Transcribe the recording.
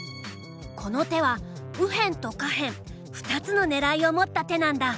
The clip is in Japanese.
この手は右辺と下辺２つの狙いを持った手なんだ。